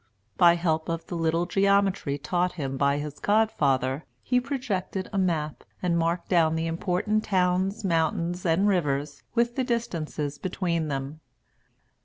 By help of the little geometry taught him by his godfather, he projected a map, and marked down the important towns, mountains, and rivers, with the distances between them.